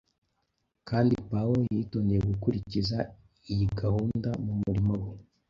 kandi Pawulo yitondeye gukurikiza iyi gahunda mu murimo we.